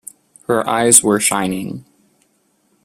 Her eyes were shining.